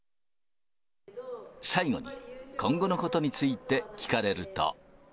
最後に、今後のことについて聞かれると。